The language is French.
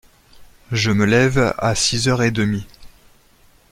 Je me lève à six heures et demi.